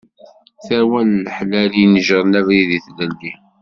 Tarwa n leḥlal inejren abrid i tlelli.